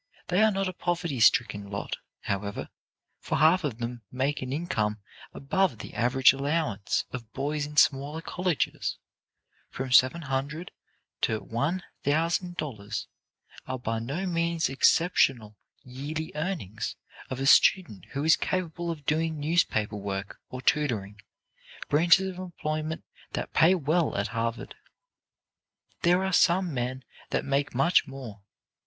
They are not a poverty stricken lot, however, for half of them make an income above the average allowance of boys in smaller colleges. From $700 to $1,000 are by no means exceptional yearly earnings of a student who is capable of doing newspaper work or tutoring, branches of employment that pay well at Harvard. "There are some men that make much more.